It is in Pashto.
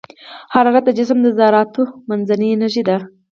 حرارت د جسم د ذراتو منځنۍ انرژي ده.